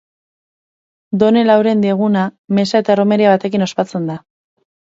Done Laurendi eguna, meza eta erromeria batekin ospatzen da.